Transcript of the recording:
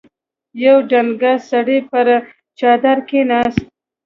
يو ډنګر سړی پر څادر کېناست.